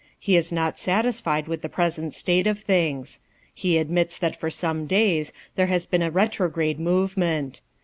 He 13 not satisfied with th present state of things. He admits that for some daya there has been a retrograde move ment.